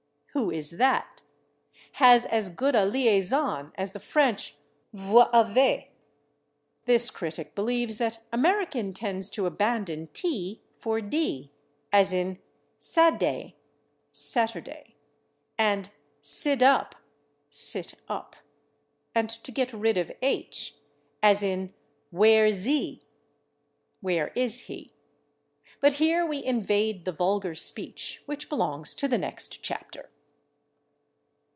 (=who is that?) has as good a /liaison/ as the French /vois avez/." This critic believes that American tends to abandon /t/ for /d/, as in /Sadd'y/ (=Saturday) and /siddup/ (=sit up), and to get rid of /h/, as in "ware zee?" (=where is he?). But here we invade the vulgar speech, which belongs to the next chapter.